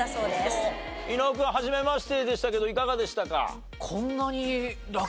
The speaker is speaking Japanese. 伊野尾君はじめましてでしたけどいかがでしたか？